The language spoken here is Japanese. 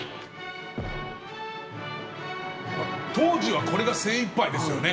当時はこれが精いっぱいですよね。